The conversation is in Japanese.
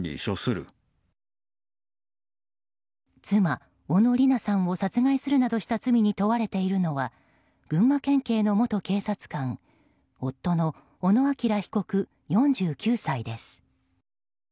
妻・小野理奈さんを殺害した罪に問われているのは群馬県警の元警察官夫の小野陽被告、４９歳です。